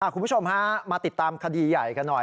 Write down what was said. คุณผู้ชมฮะมาติดตามคดีใหญ่กันหน่อย